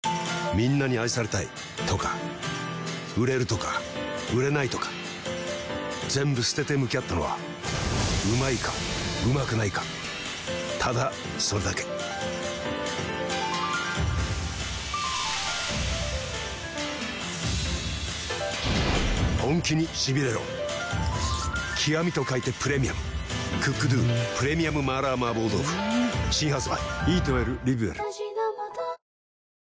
みんなに愛されたいとか売れるとか売れないとか全部捨てて向き合ったのはうまいかうまくないかただそれだけ極と書いてプレミアム「ＣｏｏｋＤｏ極麻辣麻婆豆腐」新発売